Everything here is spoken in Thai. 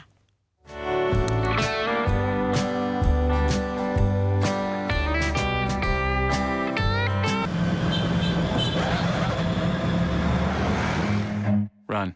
เดี๋ยวโดนชน